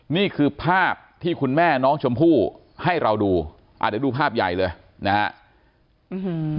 นี่คือภาพที่คุณแม่น้องชมพู่ให้เราดูอ่าเดี๋ยวดูภาพใหญ่เลยนะฮะ